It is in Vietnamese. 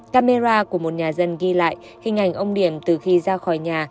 camera của một nhà dân ghi lại hình ảnh ông điểm từ khi ra khỏi nhà